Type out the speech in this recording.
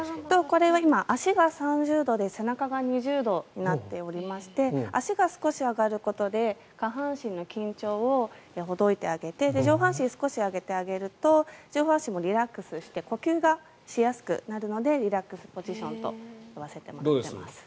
これは足が３０度で背中が２０度になっておりまして足が少し上がることで下半身の緊張をほどいてあげて上半身、少し上げてあげると上半身もリラックスして呼吸がしやすくなるのでリラックスポジションと言わせてもらっています。